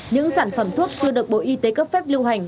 những sản phẩm thuốc chưa được bộ y tế cấp phép lưu hành